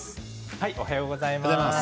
おはようございます。